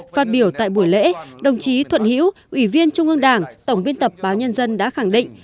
phát biểu tại buổi lễ đồng chí thuận hữu ủy viên trung ương đảng tổng biên tập báo nhân dân đã khẳng định